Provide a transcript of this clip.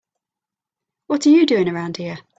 What are you doing around here?